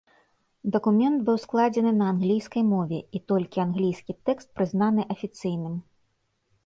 Дакумент быў складзены на англійскай мове, і толькі англійскі тэкст прызнаны афіцыйным.